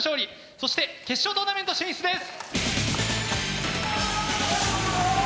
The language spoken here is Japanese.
そして決勝トーナメント進出です。